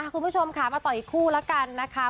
คุณผู้ชมค่ะมาต่ออีกคู่แล้วกันนะคะ